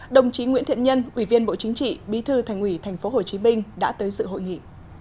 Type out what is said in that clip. đồng chí nguyễn thiện nhân ủy viên bộ chính trị bí thư thành ủy tp hcm đã tới sự hội nghị